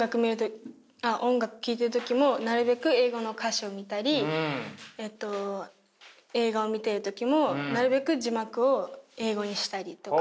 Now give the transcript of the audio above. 音楽聴いてる時もなるべく英語の歌詞を見たり映画を見ている時もなるべく字幕を英語にしたりとか。